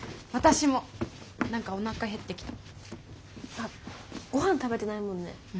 あっごはん食べてないもんね。